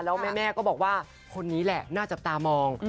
แล้วแม่ก็บอกว่าคนนี้แหละน่าจับตามอง